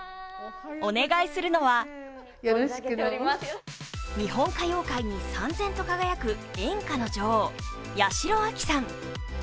お願いするのは日本歌謡界にさん然と輝く演歌の女王・八代亜紀さん。